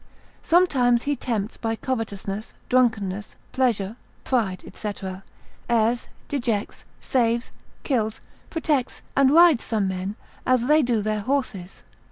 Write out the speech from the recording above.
Sometimes he tempts by covetousness, drunkenness, pleasure, pride, &c., errs, dejects, saves, kills, protects, and rides some men, as they do their horses.